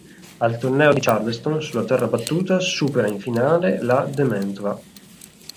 Al torneo di Charleston, sulla terra battuta, supera in finale la Dement'eva.